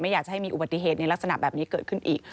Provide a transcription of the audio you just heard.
อยากจะให้มีอุบัติเหตุในลักษณะแบบนี้เกิดขึ้นอีก